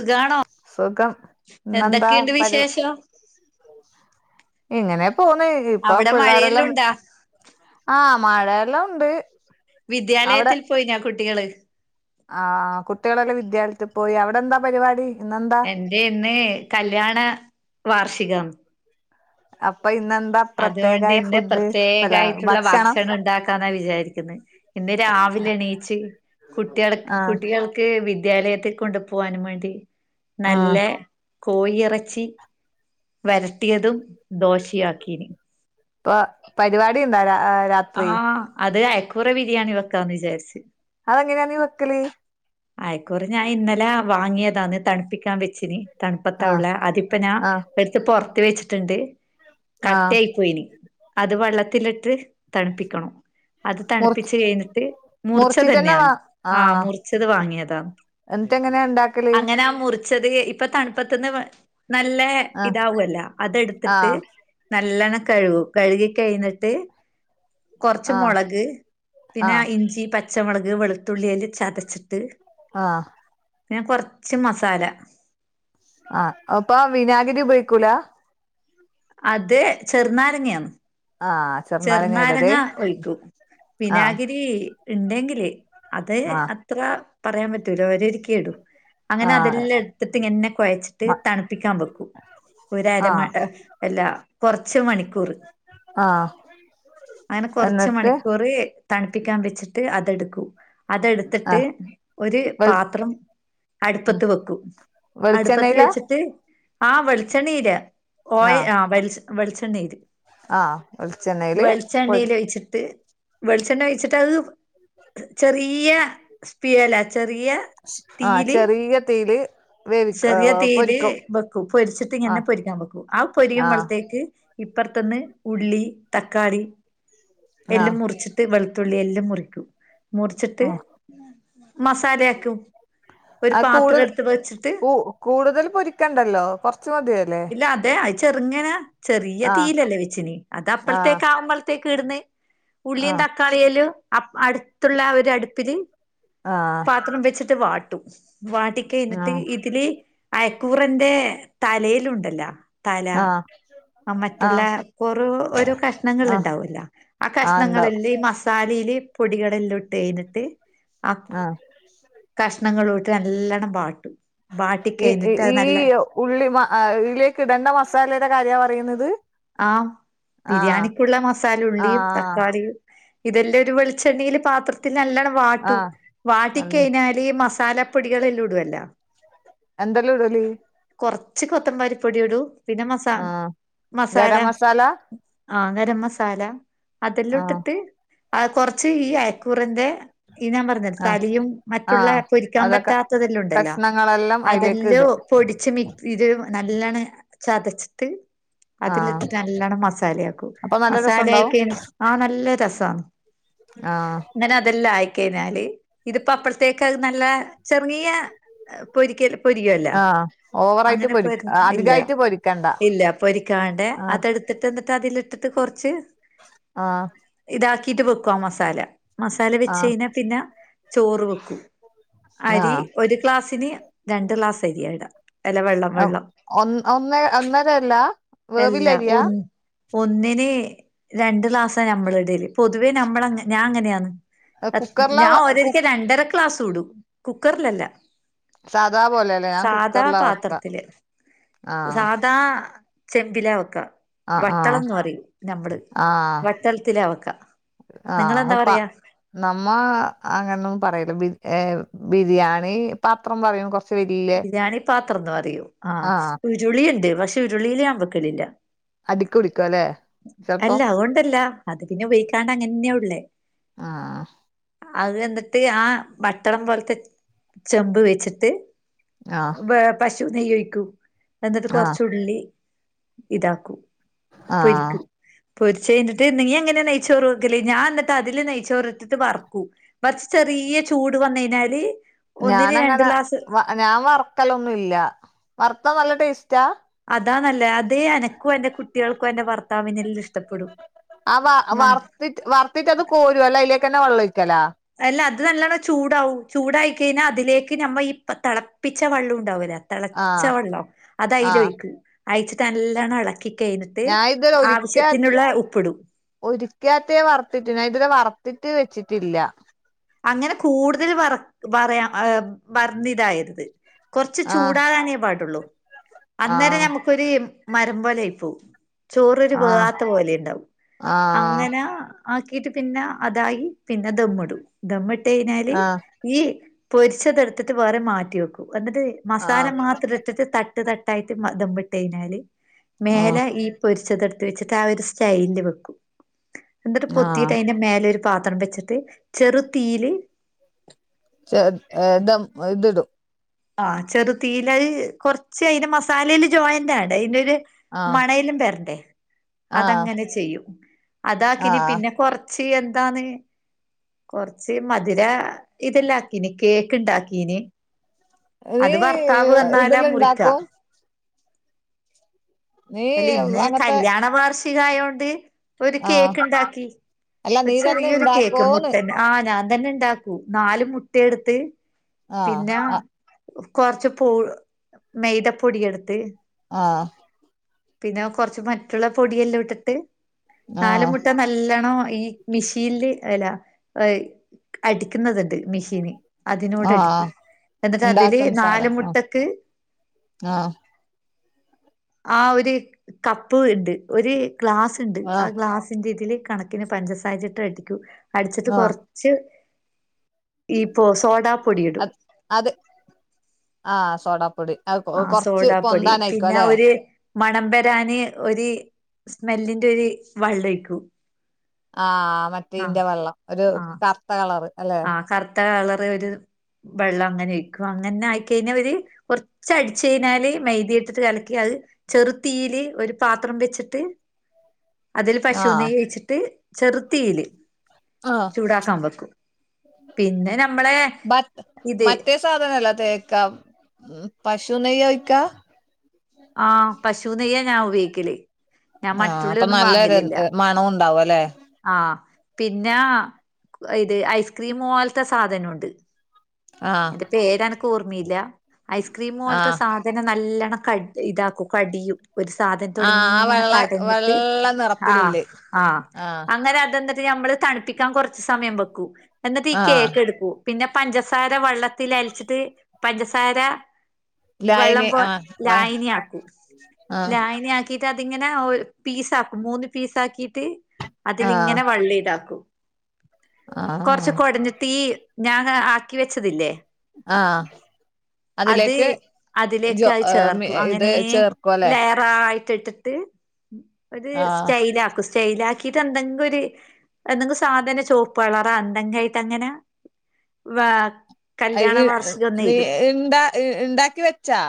സുഖാണോ സുഖം ഇന്നെന്താ എന്തൊക്കെയുണ്ട് പരുവ വിശേഷം ഇങ്ങനെ പോന്ന് ഇപ്പൊ അവിടെ മഴയെല്ലാം പിള്ളേരെല്ലാം ഉണ്ടാ ആഹ് മഴയല്ലാണ്ട് വിദ്യാലയത്തിൽ പോയി ഞാ കുട്ടികള് ആഹ് കുട്ടികളെല്ലാം വിദ്യാലയത്തിൽ പോയി അവിടെ എന്താ പരിപാടി ഇന്നെന്താ എന്റെ ന്ന് കല്യാണ വാർഷികം അപ്പ ഇന്നെന്താ അതുകൊണ്ട് പ്രത്യേകായ ഇന്ന് ഫുഡ് അല്ല പ്രത്യേകായിട്ടുള്ള ഭക്ഷണം ഉണ്ടാക്കാന്നാ വിചാരിക്കുന്നെ ഇന്ന് രാവിലെ എണീച്ച് കുട്ട്യാൾക്ക് ആഹ് കുട്ടികൾക്ക് വിദ്യാലയത്തി കൊണ്ടു പോകൻ വേണ്ടി ആഹ് നല്ല കോഴി ഇറച്ചി വരട്ടിയതും ദോശയാക്കി നി ഇപ്പൊ പരിപാടി ന്തായാ രാത്രി ആഹ് അതെ അയക്കൂറ ബിരിയാണി വെക്കാന്ന് വിചാരിച്ചു അതെങ്ങനെയാ നീ വെക്കല് ആയ്ക്കൂറ ഞാൻ ഇന്നലെ വാങ്ങിയതാന്ന് തണുപ്പിക്കാൻ വെച്ചിന് തണുപ്പത്താ ആഹ് ഉള്ളെ അതിപ്പ ഞാൻ ആഹ് എടുത്ത് പുറത്ത് വെച്ചിട്ടുണ്ട് ആഹ് കട്ടേയി പോയിന് അത് വെള്ളത്തിലിട്ട് തണുപ്പിക്കണം അത് മുറിച്ച് തണുപ്പിച്ച് കഴിഞ്ഞിട്ട് മുറിച്ച മുറിച്ചിട്ടന്നെ തന്നെയാണ് വാ ആഹ് വാങ്ങിയതാ എന്നിട്ട് എങ്ങനെയാ ഇണ്ടാക്കല് അങ്ങനെ ആ മുറിച്ചത് ഇപ്പൊ തണുപ്പത്തന്ന് നല്ല ആഹ് ഇതാവല്ല അതെടുത്തിട്ട് ആഹ് നല്ലവണ്ണം കഴുകും കഴുകി കഴിഞ്ഞിട്ട് കുറച്ച് ആഹ് മുളക് പിന്നെ ആഹ് ഇഞ്ചി പച്ചമുളക് വെളുത്തുള്ളിയെല്ലാം ചതച്ച് ച്ചതച്ചിട്ട് ആഹ് പിന്നെ കുറച്ച് മസാല ആഹ് അപ്പ വിനാഗിരി ഉപയ്ക്കൂല അത് ചെറുനാരങ്ങയാണ് ആഹ് ചെറുനാരങ്ങ ഇടല് ചെറ്നാരങ്ങ ഒയ്ക്കും ആഹ് വിനാഗിരി ഉണ്ടെങ്കില് അത് ആഹ് അത്ര പറയാൻ പറ്റൂല അവരൊരിക്ക ഇടും അങ്ങനെ ആഹ് അതെല്ലാം എടുത്തിട്ട് ഇങ്ങനെ കുഴച്ചിട്ട് തണുപ്പിക്കാൻ വെക്കൂ ഒരു ആഹ് അരമ- ഏഹ് അല്ലാ കോർച്ച് മണിക്കൂർ ആഹ് അങ്ങനെ കുറച്ച് എന്നിട്ട് മണിക്കൂറ് തണുപ്പിക്കാൻ വെച്ചിട്ട് അതെടുക്കും അതെടുത്തിട്ട് ആഹ് ഒരു വെളി പാത്രം ഉം അടുപ്പത്ത് വെക്കും അടുപ്പത്ത് വെളിച്ചെണ്ണയിലാ വെച്ചിട്ട് ആഹ് വെളിച്ചെണ്ണയില് ഓയ ആഹ് വെളി വെളിച്ചെണ്ണയില് ആഹ് വെളിച്ചെണ്ണ വെളിച്ചെണ്ണയിലൊഴിച്ചിട്ട് വെളിച്ചെണ്ണ ഒഴിച്ചിട്ട് അത് ചെറിയ സ്പിയല ചെറിയ ആഹ് തീയില് ചെറിയ തീയില് വേവിക്കും ചെറിയ ഏഹ് തീയില് പൊരിക്കും വെക്കും പൊരിച്ചിട്ട് ഇങ്ങനെ ആഹ് പൊരിക്കാൻ വെക്കും ആ ആഹ് പൊരിയുമ്പോഴത്തേക്ക് ഇപ്പറത്തുന്ന് ഉള്ളി തക്കാളി എല്ലാം ആഹ് മുറിച്ചിട്ട് വെളുത്തുള്ളി എല്ലാം മുറിക്കും മുറിച്ചിട്ട് ആഹ് മസാലയാക്കും ഒരു ആഹ് കൂടു പാത്രം എടുത്ത് വെച്ചിട്ട് കൂ കൂടുതൽ പൊരിക്കണ്ടല്ലോ കൊറച്ച് മതിയല്ലേ ഇല്ല അതെ അത് ചെറുങ്ങനെ ചെറിയ ആഹ് തീയിലല്ലേ വെച്ചിന് അത ആഹ് അതാമ്പള്ത്തേക്ക് ഇടുന്ന് ഉള്ളിയും ആഹ് തക്കാളിയലും അടുത്തുള്ള ഒരു അടുപ്പില് ആഹ് അത്രണം വെച്ചിട്ട് വാട്ടും വാട്ടി കഴിഞ്ഞിട്ട് ഇതില് അയ്ക്കൂറന്റെ തലയിലുണ്ടല്ലോ തല ആഹ് ആഹ് ആ മറ്റുള്ള ആഹ് ഒറു ഒരു ആഹ് കഷ്ണങ്ങളുണ്ടാവുല്ലോ ആ ആഹ് ഇണ്ടാവും കഷ്ണങ്ങളെല്ലാം ഈ മസാലയില് പൊടികളെല്ലാം ഇട്ട് കഴിഞ്ഞിട്ട് ആ ആഹ് കഷ്ണങ്ങളുട്ട് നല്ലണ്ണം വാട്ടും വാട്ടി ഈ ഈ കഴിഞ്ഞിട്ട് അത് ഈ നല്ല ഉള്ളി ഇതിലേക്ക് ഇടേണ്ട മസാലയുടെ കാര്യമാ പറയുന്നത് ആഹ് ആഹ് ബിരിയാണിക്കുള്ള മസാല ഉള്ളിയും ആഹ് തക്കാളിയും ഇതെല്ലാം ഒരു വെളിച്ചെണ്ണയില് പാത്രത്തിൽ നല്ലവണ്ണം വാട്ടും ആഹ് വാട്ടി ആഹ് കഴിഞ്ഞാല് ഈ മസാലപ്പൊടികളെല്ലാം ഇടുമല്ലോ എന്തല്ലോ ഇടല് കൊറച്ച് കൊത്തമ്പാരിപ്പൊടി ഇടും പിന്നെ മസാ ആഹ് മസാല ആഹ് ഗരം മസാല അതെല്ലാം ആഹ് ഇട്ടിട്ട് അത് കുറച്ച് ഈ അയിക്കൂറന്റെ ഈ ഞാൻ പറ അ ആഹ് തലയും മറ്റുള്ള ആഹ് പൊരിക്കാൻ അതൊക്കെ പറ്റാത്തതെല്ലാം ഉണ്ടല്ലോ കഷ്ണങ്ങളെല്ലാം അതിലേക്ക് അതെല്ലോം ഇടും പൊടിച്ച് മിക്സില് നല്ലോണം ചതച്ചിട്ട് ആഹ് അതിലിട്ടിട്ട് നല്ലവണ്ണം മസാലയാക്കും അപ്പൊ നല്ല മസാല രസണ്ടാവും ആയിക്ക ആ നല്ല രസാ ആഹ് അന്നേരം അതെല്ലാം ആയി കഴിഞ്ഞാല് ഇതിപ്പോ അപ്പഴത്തേക്ക് നല്ല ചെറിയ പൊരിക്കലോ പൊരിക്കുവല്ലോ ആഹ് ഓവറായിട്ട് അങ്ങനെ പൊ പൊരി ഇല്ല അധികായിട്ട് പൊരിക്കണ്ട ഇല്ല പൊരി ക്കാണ്ട് ആഹ് അതെടുത്തിട്ട് എന്നിട്ട് അതിലിട്ടിട്ട് കുറച്ച് ആഹ് ഇതാക്കിട്ട് വെക്കും ആ മസാല മസാല വെച്ച് ആഹ് കഴിഞ്ഞാ പിന്നെ ചോറ് വെക്കും അരി ഒരു ഗ്ലാസിന് രണ്ട് ഗ്ലാസ് അരിയാ ഇടുക അല്ല വെള്ളം വെള്ളം ഒൻ ഒന്ന് ഒന്നരല്ല അല്ല വേവിലരിയാ ഒൻ ഒന്നിന് രണ്ട് ഗ്ലാസ്സാ നമ്മള് ഇടല് പൊതുവേ നമ്മള് ഞാൻ അങ്ങനെയാണ് കുക്കറിലാ ഞാൻ വ- കു ഓരരിക്ക്‌ രണ്ടര ഗ്ലാസും ഇടും കുക്കറിലല്ല സാധാ പോലെല്ലേ ഞാൻ കുക്കറിലാ വെക്ക സാധാപാത്രത്തില് ആഹ് സാധ സാധാ ചെമ്പിലാ വെക്കുക ആഹ് ആഹ് വട്ടളന്ന് പറയും നമ്മള് ആഹ് വട്ടളത്തിലാ വെക്കുക നിങ്ങളെന്താ പറയുക നമ്മള് അങ്ങനൊന്നും പറയില്ല ബിരി ബിരിയാണി പത്രം പറയും കൊ ബിരിയാണി പത്രമെന്ന് പറയും ആഹ് ഉരുളിണ്ട് പക്ഷെ ഉരുളില് ഞാൻ വെക്കലില്ല അടിക്ക് പിടിക്കും അല്ലെ ചെലപ്പോ അല്ല അതുകൊണ്ടല്ല അത് പിന്നെ ഉപയോഗിക്കാണ്ട് അങ്ങനെന്നെയാ ഉള്ളേ ആഹ് അത് എന്നിട്ട് ആ വട്ടളം പോലത്തെ ചെമ്പ് വെച്ചിട്ട് ആഹ് വെ പശു നെയ്യൊഴിക്കും എന്നിട്ട് ആഹ് കൊറച്ചുള്ളി ഇതാക്കും ആഹ് പൊരിക്കും പൊരിച്ച് കഴിഞ്ഞിട്ട് നീ എങ്ങനെയാ നെയിച്ചോറ് വെക്കല് ഞാൻ അന്നി ന്നിട്ട് അതില് നെയ്ച്ചോറ് ഇട്ടിട്ട് വറക്കും വറുത്തിട്ടു ചെറിയ ചൂട് വന്ന് കഴിഞ്ഞാല് ഒന്നിന് രണ്ട് ഞാനങ്ങനെ ഗ്ലാസ് വ ഞാൻ വറക്കലൊന്നും ഇല്ല വറുത്താ നല്ല ടേസ്റ്റാ അതാ നല്ലേ അ അതേ എനക്കും എന്റെ കുട്ടികൾക്കും എന്റെ ഭർത്താവിനെല്ലാം ഇഷ്ടപ്പെടും ആ വ വറുത്തിട്ട് വറുത്തിട്ട് അത് കോരുവോ അല്ലാ അയിലേക്കന്നെ വെള്ളം ഒഴിക്കലാ അല്ല അത് നല്ലവണ്ണം ചൂടാവും ചൂടായി കഴിഞ്ഞാൽ അതിലേക്ക് നമ്മള് ഈ തിളപ്പിച്ച വെള്ളം ഉണ്ടാവുല്ലേ തിളച്ച ആഹ് വെള്ളം അത് അയില് ആഹ് ഒഴിക്കും ഒഴിച്ചിട്ട് നല്ലവണ്ണം ഇളക്കി കഴിഞ്ഞിട്ട് ഞാൻ ആവശ്യത്തിനുള്ള ഉപ്പിടും ഒരിക്കാത്ത വറുത്തിട്ട് ഞാൻ ഇതുവരെ വറുത്തിട്ട് വെച്ചിട്ടില്ല അങ്ങനെ കൂടുതല് വറ വറയാൻ വറന്നു ഇതാകരുത് കൊറച്ച് ആഹ് ചൂടാകാനേ പാടുള്ളൂ അന്നേരം ആഹ് നമ്മക്കൊരു മരം പോലെ ആയി പോവും ചോറൊരു ആഹ് വേവാത്ത പോലെണ്ടാവു ആഹ് അങ്ങനെ ആക്കിട്ട് പിന്നെ അതായി പിന്നെ ദമ്മിടും ദമ്മിട്ട് കഴിഞ്ഞാല് ആഹ് ഈ പൊരിച്ചതെടുത്തിട്ട് വേറെ മാറ്റി വെക്കു എന്നിട്ട് മസാല ആഹ് മാത്ര ത്തിട്ട് തട്ട് തട്ടായിട്ട് ദമ്മ്‌ ഇട്ടുകഴിഞ്ഞാല് ആഹ് മേലേ ഈ പൊരിച്ചത് എടുത്തു വെച്ചിട്ട് ആ ഒരു സ്റ്റൈലിന് വെക്കും എന്നിട്ട് ആഹ് പൊത്തിയിട്ട് അയിന് മേലേ ഒരു പാത്രം വെച്ചിട്ട് ചെറുതീയില് ചെ ഹ് ദം ഇത്ടു. ആഹ് ചെറുതീയിലയി കൊറച്ച് അയ്ന്റെ മസാലയില് ജോയിന്റ് ആവണ്ടെ അയ്ന്റെ ഒര് ആഹ് മണയെല്ല വര്ണ്ടേ ആഹ് അതങ്ങനെ ചെയ്യും അതാക്കിന് ആഹ് പിന്നെ കൊർ ച്ചി എന്താന്ന്. കൊറച്ച് മധുര ഇതെല്ലാക്കീന് കേക്ക് ഇണ്ടാക്കീനി. ഒരേ ഇതിൽ വന്നാലാ മുറിക്ക ഇണ്ടാകു. നീ അല്ല ഇന്ന് അങ്ങത്തെ കല്യാണ വാർഷികം ആയോണ്ട് ഒരു ആഹ് കേക്ക് ഇണ്ടാക്കി അല്ല ഒരു നീ തന്നെ ചെറിയൊരു കേക്ക് ഇണ്ടാക്കോന്ന് മുട്ടന ആഹ് ഞാൻ തന്നെ ഇണ്ടാക്കൂ നാല് മുട്ടയെടുത്ത് ആഹ് പിന്നെ. ആഹ് കൊറച്ച് പൊ മെയ്തപ്പൊടി എടുത്ത്. ആഹ്. പിന്നെ കൊർച്ച് മറ്റുള്ള പൊടിയെല്ലാ ഇടുത്ത് നാല് ആഹ് മുട്ട ന ല്ലണം ഈ മെഷീനില് അല്ലാ ഹ് അടിക്കുന്നതുണ്ട് മെഷീന്. ആഹ് അതിനോടടിക്കും എന്നിട്ട് അതില് ഇണ്ടാക്കുന്ന നാല് സാധനം ആഹ് മുട്ടക്ക്. ആഹ്. ആ ഒരു കപ്പ് ഇത് ഒരു ഗ്ലാസ്ണ്ട് ആ ആഹ് ഗ്ലാസിന്റെ ഇതില് കണ ക്കിന് പഞ്ചസാരയിട്ട് അടിക്കു അട്ച്ചിട്ട് ആഹ് കൊറച്ച്. ഈപ്പൊ സോഡാ പൊടി ഇടും. അത് അത് ആഹ് സോഡാപ്പൊടി. അത് ആഹ് കൊറച്ച് സോഡാപ്പൊടി പൊന്താനായിക്കും പിന്നെ അല്ലെ ഒര്. മണം വരാന് ഒരു സ്മെല്ലിന്റെ ഒരു വള്ളൊയ്ക്കൂ. ആഹ് മറ്റേ ഇന്റെ വെള്ളം ഒരു ആ കറുത്ത കളർ അല്ലെ? ആ കറുത്ത കളർ ഒരു വെള്ളം അങ്ങനെ ഒയ്ക്കും അങ്ങനെ ആയിക്കഴിഞ്ഞാ ഒര്. കൊർച്ച് അട്ച്ചഴിനാല് മെയ്തി ഇട്ടിട്ട് കലക്കി അയി ചെറുതീയില് ഒരു പാത്രം വെച്ചിട്ട്. അതിൽ പശു ആഹ് നെയ്യ് ഒയ്ച്ചിട്ട് ചെറു തീയിൽ ചൂടാക്കാൻ വെക്കും. പിന്നെ നമ്മളെ ബത് ഇത് മറ്റേ സ് സാധനല്ലെ തേക്ക ഹ് പശു നെയ്യ് ഒഴ്ക്ക. ആഹ് പശു നെയ്യാ ഞാൻ ഉപയോഗിക്കൽ. ആഹ് അപ്പൊ നല്ലരു ഹ് മണ ഉണ്ടാവുല്ലെ. ആ പിന്നെ ഇത് ഐസ്ക്രീം മോൽത്തെ സാധനുണ്ട്. ആഹ്. പേരന്ക്ക് ഓർമ്മയില്ല ഐസ്ക്രീം മോൽത്തെ ആഹ് സ ധനം നല്ലണം ക ഇതാക്കും കടിയും. ഒരു ആഹ് സാധനത്തോണ്ട് ആ ഇങ്ങനെ വെള്ള കടഞ്ഞിട്ട് വെള്ള ആഹ് നിറത്തിലില്ലേ ആഹ്. ന്നേരം അതന്നിട്ട് നമ്മള് തണുപ്പിക്കാൻ കൊർച്ച് സമയം വെക്കു എന്നിട്ട് ഈ ആഹ് കേക്ക് എടുക്കൂ. പിന്നെ പഞ്ചസാര വെള്ളത്തിൽ അലിച്ചിട്ട് പഞ്ചസാര. ലായനി വെള്ളംപോ ആഹ് വ ലായനി ആക്കൂ ആഹ് ലായനി ആക്ക് ഇതാട്ട് ഇങ്ങനെ ഒര് പീസാക്കും മൂന്ന് പീസാക്കിയിട്ട്. ആഹ് അതിലിങ്ങനെ വെള്ളിതാക്കൂ. ആഹ്. കൊറച്ച് കൊടഞ്ഞിട്ട് ഈ ഞാൻ ആക്കി വെച്ചതില്ലേ. ആഹ്. അത് അതിലേക്ക് അതിലേക്ക് ജോ ഹ് ഇത് ചേർക്കും ലെ. ആഹ് അയ്‌റ്റ് ഇട്ടിട്ട് അത് ആഹ് സ്റ്റൈലാക്കും സ്റ്റൈലാ. ക്കിട്ട് എന്തെങ്കിലും ഒര് എന്തെങ്കിലും സാധന ചോപ്പ് കളറാ എന്തെങ്കായിട്ട് അങ്ങനെ. വാ അഹ് ഇ നീ ഇണ്ട ഹ് ഇണ്ടാക്കി വെച്ചാ.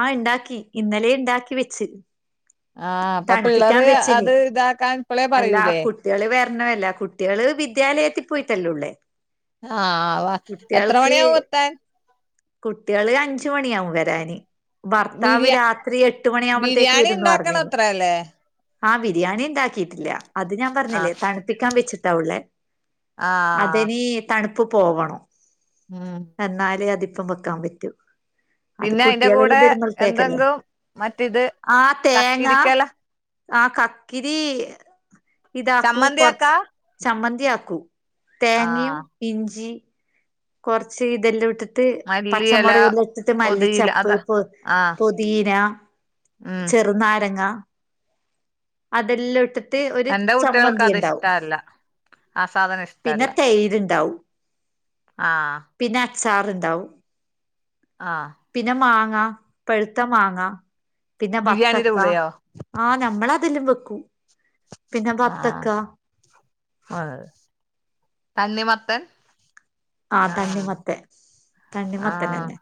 ആഹ് ഇണ്ടാക്കി ഇന്നലെ ഇണ്ടാക്കി വെച്ച്. ആഹ് അപ്പൊ തണുപ്പിക്കാൻ പിള്ളേര് വെച്ചിന് അത് ഇതാക്കാൻ. ഇപ്പളേ അല്ലാ പറയൂലേ കുട്ടിയാള് വര്ണ അല്ലെ കുട്ടിയള് വിദ്യാലയത്തിൽ പോയിട്ടല്ലെ ഉള്ളേ. ആഹ് വ എത്ര മണിയാവുമെത്താൻ കുട്ടികള് അഞ്ച് മണിയാവും വരാന് ബർത്താവ് ബിരിയാ രാത്രി എട്ട് മണിയാവുമ്പളത്തേക്ക് ബിരിയാണി വരൂന്ന് ഉണ്ടാക്കണ പറഞ്ഞെന് അത്ര അല്ലേ ആഹ് വിരിയാണി എണ്ടാ ക്കിട്ടില്ല അത് ഞാൻ ആ പറഞ്ഞില്ലേ തണുപ്പിക്കാൻ വെച്ചിട്ടാ ഉള്ളേ ആ അതിനി തണുപ്പ് പോകണോ ഉം എന്നാലേ അതിപ്പം വെക്കാൻ പറ്റും പിന്നെ അതിന്റെ കൂടെ എന്തെങ്കും മറ്റിത് കക്കിരിക്കല ആഹ് കക്കിരി ഇതാക്കൂ കൊറച്ച് ചമ്മന്തിയാക്കാ ചമ്മന്തിയാക്കൂ ആ തേങ്ങയും ഇഞ്ചി കൊറച്ച് ഇതെല്ലാം ഇട്ട് ഇട്ട് മല്ലിയില പച്ചമുളക് എല്ലാം ഇട്ടിട്ട് പൊതിയില മല്ലിച്ചെപ്പ് അതാ പൊ ആ പൊതീന ഉം ചെറുനാരങ്ങ അതെല്ലാം ഇട്ട് ട്ട് ഒരു എന്റെ കുട്ടികൾക്ക് ചമ്മന്തി അത് എണ്ടാവും ഇഷ്ടല്ല ആ സാധനം പിന്ന തൈര് ഇണ്ടാവും ആഹ് പിന്നെ അച്ചാറിണ്ടാവും ആഹ് പിന്ന മാങ്ങ പെഴുത്ത മാങ്ങ പിന്ന ബിരിയാണിയുടെ വത്തക്ക കൂടെയോ ആഹ് നമ്മള് അതെല്ലാം വെക്കൂ ആഹ് [unintelligible] തണ്ണിമത്തൻ ആഹ് ആ തണ്ണി മത്തൻ തണ്ണി ആ മത്തനന്നെ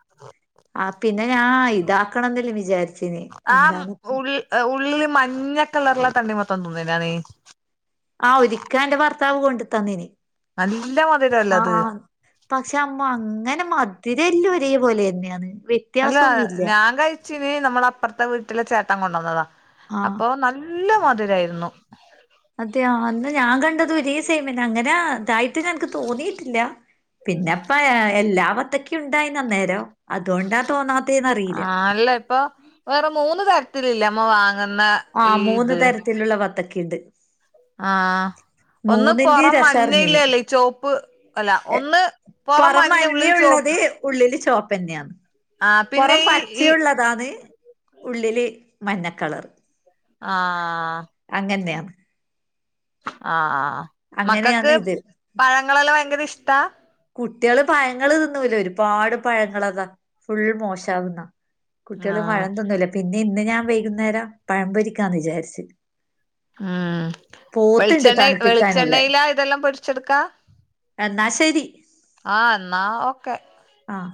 ആഹ് പിന്ന ഞാ ഇതാക്കണംന്നെല്ലാം വിചാരിച്ചിന് എന്താണ്പ്പ ഉള്ളില് മഞ്ഞ കളറ്ള്ള തണ്ണി മത്തൻ തിന്നേന നീ ആഹ് ഒരിക്കെ എന്റെ ഭർത്താവ് കൊണ്ടത്തന്നിനി നല്ല മതിരല്ലേ അത് പക്ഷെ അമ്മ അങ്ങനെ മധുരി ല്ലാ ഒരേ പോലെ തന്നെയാണ് വെ അല്ല ഞാൻ കഴിച്ചിന് നമ്മള അപ്പറത്ത വീട്ടിലെ ചേട്ടൻ കൊണ്ട്‌ വന്നതാ ആഹ് അപ്പൊ നല്ല നല്ല മധുരായിരുന്നു അതെയൊ എന്ന ഞാൻ കണ്ടത് ഒരേ [unintelligible] അങ്ങനെ ഇതായിട്ട് ഞങ്ങക്ക് തോന്നിട്ടില്ല പിന്നെപ്പ എല്ലാ മത്തക്കേം നിക്ക് ഉണ്ടായിന്നേരോ അതുകൊണ്ടാ തോന്നാത്തേ ന്ന റിയില്ല ആ അല്ല ഇപ്പ വേറെ മൂന്ന് തരത്തിലല്ലേ അമ്മ വാങ്ങുന്ന ഈ ആഹ് മൂന്ന് ഇത് തരത്തിലുള്ള വത്തക്കേണ്ട് ആഹ് ഒന്ന് പൊറം രസറിഞ്ഞിന് മഞ്ഞയില്ലല്ലേ ഈ ചൊവപ്പ് അല്ല ഒന്ന് പൊറം പുറം മഞ്ഞ ഉള്ളിൽ ചോവ മഞ്ഞയുള്ളത് ഉള്ളില് ചുവപ്പ് തന്നെയാന്ന് പിന്നെ പൊറം ഈ ഈ പച്ചയുള്ളതാണ് ഉള്ളില് മഞ്ഞക്കളറ് ആഹ് അങ്ങനെയാണ് ആഹ് അങ്ങനെയാണ് മക്കക്ക് ഇത് പഴങ്ങളെല്ലാം ഭയങ്കര ഇഷ്ടാ കുട്ടികള് പഴങ്ങള് തിന്നുല്ല അവര് ഒരുപാട് പഴങ്ങളതാ ഫുൾ മോശാകുന്ന കുട്ടികള് ആഹ് പഴം തിന്നൂല്ല. പിന്നെ ഇന്ന് ഞാൻ വൈകുന്നേരം പഴം പൊരിക്കാന്ന് വിചാരിച്ചു. പോത്ത്ണ്ട് തണുപ്പിക്കാനുള്ളെ വെളിച്ചെണ്ണയിലാ ഇതെല്ലാം പൊരിച്ചെടുക്കാ എന്നാ ശരി ആഹ് എന്നാ ഓക്കെ ആഹ്